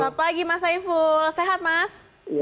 selamat pagi mas saiful sehat mas